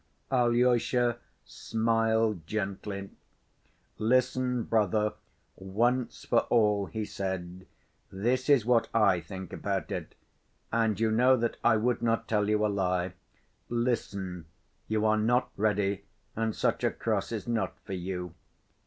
Alyosha smiled gently. "Listen, brother, once for all," he said. "This is what I think about it. And you know that I would not tell you a lie. Listen: you are not ready, and such a cross is not for you.